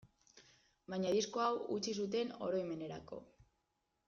Baina disko hau utzi zuten oroimenerako.